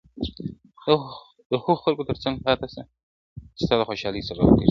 د هغو خلکو ترڅنګ پاتي سه چي ستا د خوشحالۍ سبب ګرځي